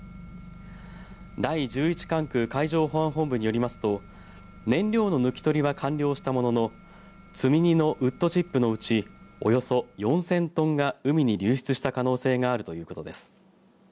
第１１管区海上保安本部によりますと燃料の抜き取りは完了したものの積み荷のウッドチップのうちおよそ４０００トンが海に流出した可能性があるということです。